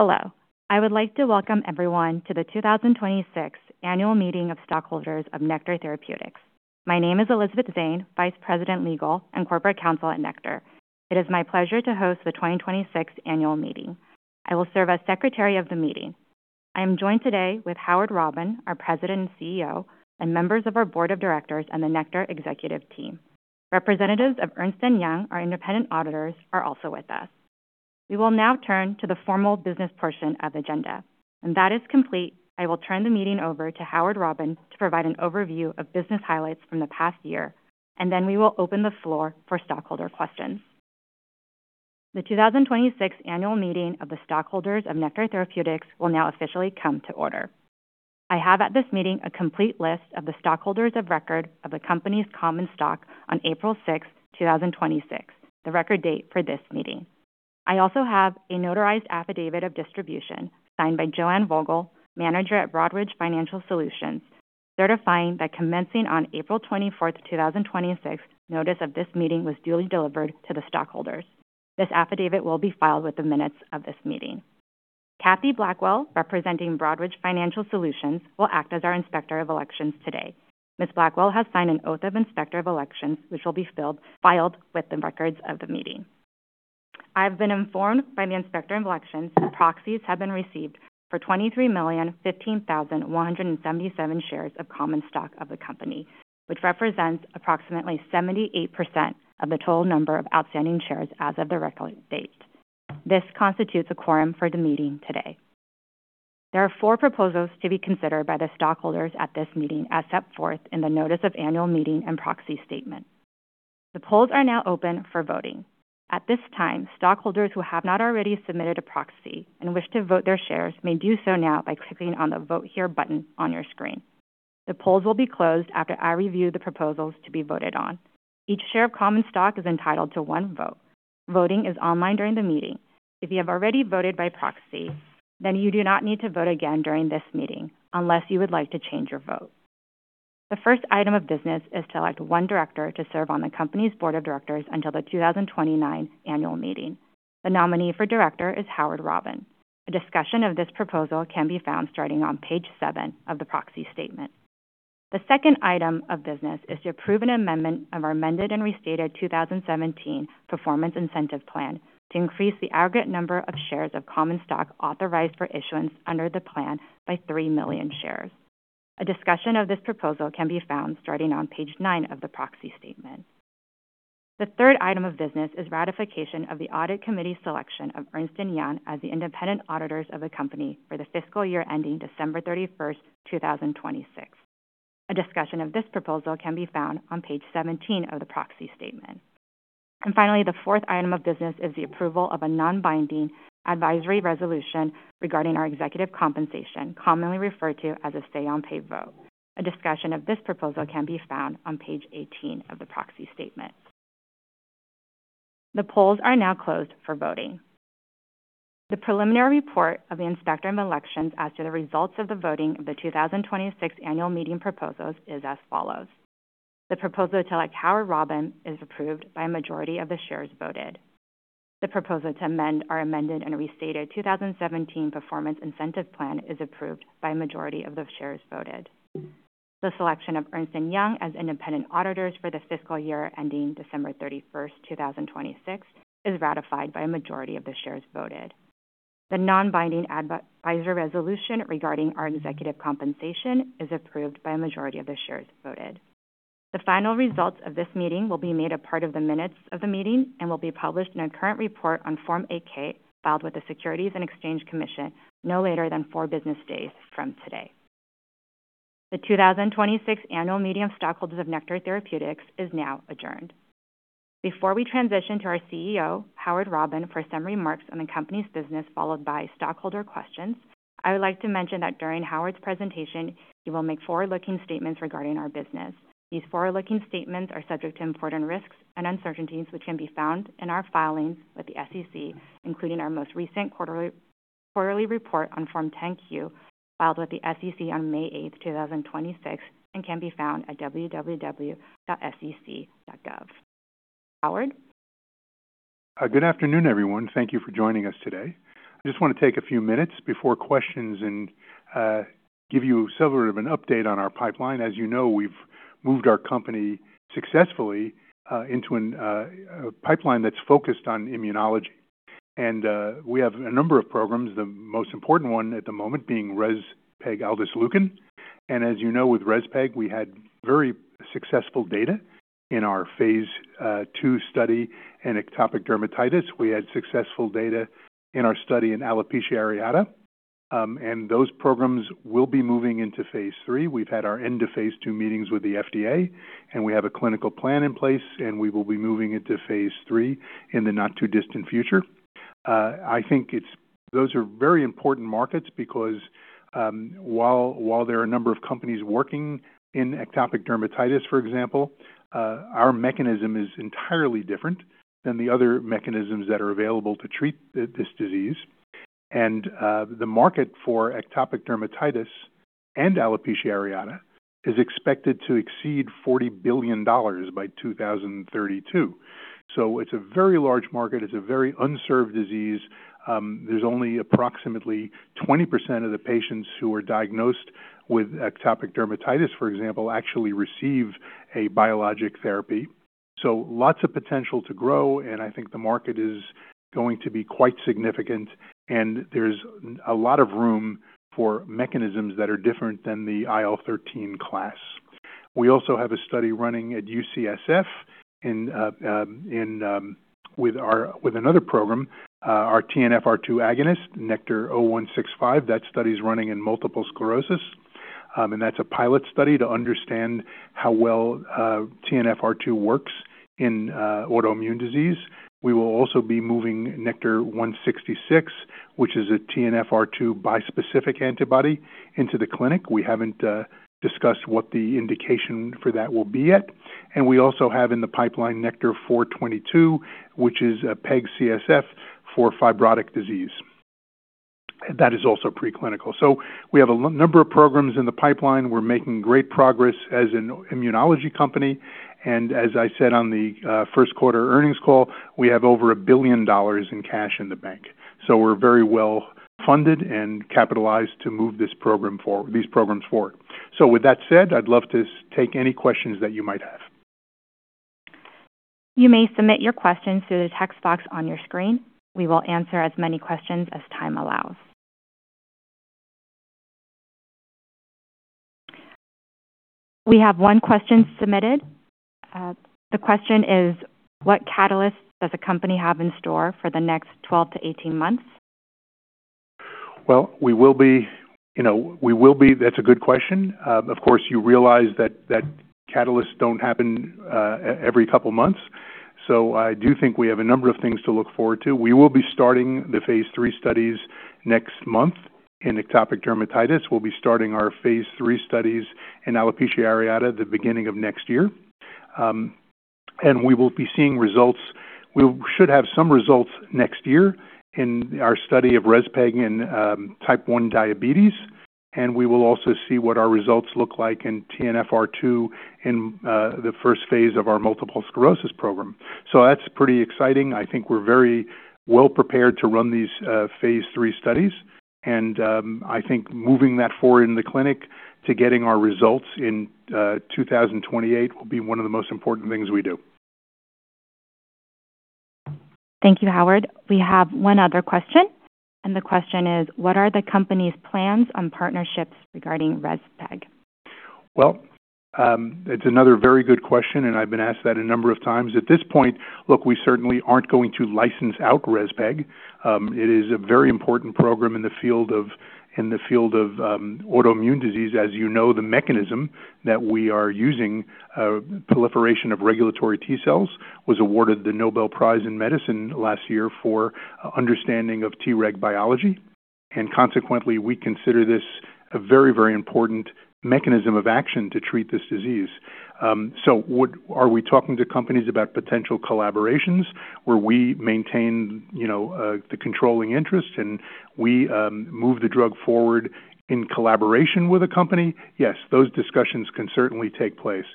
Hello, I would like to welcome everyone to the 2026 Annual Meeting of Stockholders of Nektar Therapeutics. My name is Elizabeth Zhang, Vice President, Legal and Corporate Counsel at Nektar. It is my pleasure to host the 2026 annual meeting. I will serve as Secretary of the meeting. I am joined today with Howard Robin, our President and CEO, and members of our Board of Directors and the Nektar executive team. Representatives of Ernst & Young, our independent auditors, are also with us. We will now turn to the formal business portion of the agenda. When that is complete, I will turn the meeting over to Howard Robin to provide an overview of business highlights from the past year, and then we will open the floor for stockholder questions. The 2026 annual meeting of the stockholders of Nektar Therapeutics will now officially come to order. I have at this meeting a complete list of the stockholders of record of the company's common stock on April sixth, 2026, the record date for this meeting. I also have a notarized affidavit of distribution signed by Joanne Vogel, manager at Broadridge Financial Solutions, certifying that commencing on April 24th, 2026, notice of this meeting was duly delivered to the stockholders. This affidavit will be filed with the minutes of this meeting. Kathy Blackwell, representing Broadridge Financial Solutions, will act as our Inspector of Elections today. Ms. Blackwell has signed an oath of Inspector of Elections, which will be filed with the records of the meeting. I've been informed by the Inspector of Elections that proxies have been received for 23,015,177 shares of common stock of the company, which represents approximately 78% of the total number of outstanding shares as of the record date. This constitutes a quorum for the meeting today. There are four proposals to be considered by the stockholders at this meeting as set forth in the notice of annual meeting and proxy statement. The polls are now open for voting. At this time, stockholders who have not already submitted a proxy and wish to vote their shares may do so now by clicking on the Vote Here button on your screen. The polls will be closed after I review the proposals to be voted on. Each share of common stock is entitled to one vote. Voting is online during the meeting. If you have already voted by proxy, then you do not need to vote again during this meeting unless you would like to change your vote. The first item of business is to elect one director to serve on the company's board of directors until the 2029 annual meeting. The nominee for director is Howard Robin. A discussion of this proposal can be found starting on page seven of the proxy statement. The second item of business is to approve an amendment of our amended and restated 2017 Performance Incentive Plan to increase the aggregate number of shares of common stock authorized for issuance under the plan by three million shares. A discussion of this proposal can be found starting on page nine of the proxy statement. The third item of business is ratification of the Audit Committee selection of Ernst & Young as the independent auditors of the company for the fiscal year ending December 31st, 2026. A discussion of this proposal can be found on page 17 of the proxy statement. Finally, the fourth item of business is the approval of a non-binding advisory resolution regarding our executive compensation, commonly referred to as a say on pay vote. A discussion of this proposal can be found on page 18 of the proxy statement. The polls are now closed for voting. The preliminary report of the Inspector of Elections as to the results of the voting of the 2026 annual meeting proposals is as follows. The proposal to elect Howard Robin is approved by a majority of the shares voted. The proposal to amend our amended and restated 2017 Performance Incentive Plan is approved by a majority of the shares voted. The selection of Ernst & Young as independent auditors for the fiscal year ending December 31st, 2026, is ratified by a majority of the shares voted. The non-binding advisory resolution regarding our executive compensation is approved by a majority of the shares voted. The final results of this meeting will be made a part of the minutes of the meeting and will be published in a current report on Form 8-K filed with the Securities and Exchange Commission no later than four business days from today. The 2026 annual meeting of stockholders of Nektar Therapeutics is now adjourned. Before we transition to our CEO, Howard Robin, for some remarks on the company's business, followed by stockholder questions, I would like to mention that during Howard's presentation, he will make forward-looking statements regarding our business. These forward-looking statements are subject to important risks and uncertainties, which can be found in our filings with the SEC, including our most recent quarterly report on Form 10-Q, filed with the SEC on May eighth, 2026, and can be found at www.sec.gov. Howard? Good afternoon, everyone. Thank you for joining us today. I just want to take a few minutes before questions and give you sort of an update on our pipeline. As you know, we've moved our company successfully into a pipeline that's focused on immunology. We have a number of programs, the most important one at the moment being rezpegaldesleukin. As you know, with REZPEG, we had very successful data in our phase II study in atopic dermatitis. We had successful data in our study in alopecia areata. Those programs will be moving into phase III. We've had our end-of-phase II meetings with the FDA, and we have a clinical plan in place, and we will be moving into phase III in the not-too-distant future. I think those are very important markets because, while there are a number of companies working in atopic dermatitis, for example, our mechanism is entirely different than the other mechanisms that are available to treat this disease. The market for atopic dermatitis and alopecia areata is expected to exceed $40 billion by 2032. It's a very large market. It's a very unserved disease. There's only approximately 20% of the patients who are diagnosed with atopic dermatitis, for example, actually receive a biologic therapy. Lots of potential to grow, and I think the market is going to be quite significant, and there's a lot of room for mechanisms that are different than the IL-13 class. We also have a study running at UCSF with another program, our TNFR2 agonist, NKTR-0165. That study is running in multiple sclerosis, that's a pilot study to understand how well TNFR2 works in autoimmune disease. We will also be moving NKTR-0166, which is a TNFR2 bispecific antibody, into the clinic. We haven't discussed what the indication for that will be yet. We also have in the pipeline NKTR-422, which is a PEG-CSF for fibrotic disease. That is also preclinical. We have a number of programs in the pipeline. We're making great progress as an immunology company. As I said on the first quarter earnings call, we have over $1 billion in cash in the bank, we're very well funded and capitalized to move these programs forward. With that said, I'd love to take any questions that you might have. You may submit your questions through the text box on your screen. We will answer as many questions as time allows. We have one question submitted. The question is: What catalysts does the company have in store for the next 12 to 18 months? That's a good question. Of course, you realize that catalysts don't happen every couple of months. I do think we have a number of things to look forward to. We will be starting the phase III studies next month in atopic dermatitis. We'll be starting our phase III studies in alopecia areata the beginning of next year. We will be seeing results, we should have some results next year in our study of REZPEG in type 1 diabetes, we will also see what our results look like in TNFR2 in the phase I of our multiple sclerosis program. That's pretty exciting. I think we're very well prepared to run these phase III studies, and I think moving that forward in the clinic to getting our results in 2028 will be one of the most important things we do. Thank you, Howard. We have one other question, and the question is: What are the company's plans on partnerships regarding REZPEG? It's another very good question, and I've been asked that a number of times. At this point, look, we certainly aren't going to license out REZPEG. It is a very important program in the field of autoimmune disease. As you know, the mechanism that we are using, proliferation of regulatory T cells, was awarded the Nobel Prize in Medicine last year for understanding of Treg biology, and consequently, we consider this a very important mechanism of action to treat this disease. Are we talking to companies about potential collaborations where we maintain the controlling interest and we move the drug forward in collaboration with a company? Yes, those discussions can certainly take place,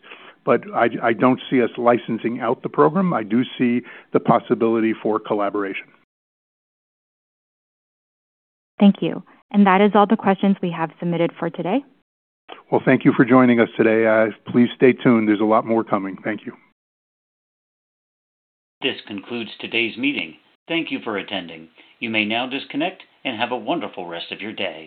but I don't see us licensing out the program. I do see the possibility for collaboration. Thank you. That is all the questions we have submitted for today. Thank you for joining us today. Please stay tuned. There's a lot more coming. Thank you. This concludes today's meeting. Thank you for attending. You may now disconnect, and have a wonderful rest of your day.